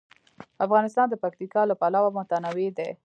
افغانستان د پکتیا له پلوه متنوع دی.